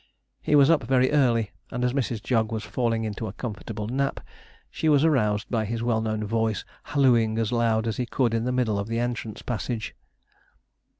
He was up very early, and as Mrs. Jog was falling into a comfortable nap, she was aroused by his well known voice hallooing as loud as he could in the middle of the entrance passage.